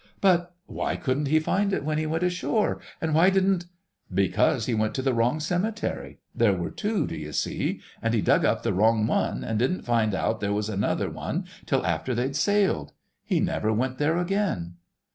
"But ... why couldn't he find it when he went ashore? And why didn't——" "Because he went to the wrong cemetery; there were two, d'you see, and he dug up the wrong one and didn't find out there was another one till after they'd sailed. He never went there again."